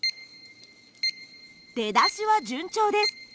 出だしは順調です。